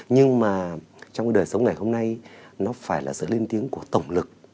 nhưng mà trong cái đời sống ngày hôm nay nó phải là sự lên tiếng của tổng lực